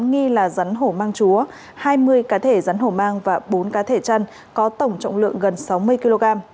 nghi là rắn hổ mang chúa hai mươi cá thể rắn hổ mang và bốn cá thể chăn có tổng trọng lượng gần sáu mươi kg